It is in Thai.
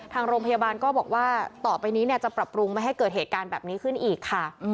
ทางโรงพยาบาลก็บอกว่าต่อไปนี้จะปรับปรุงไม่ให้เกิดเหตุการณ์แบบนี้ขึ้นอีกค่ะ